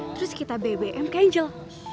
terus kita bbm ke angel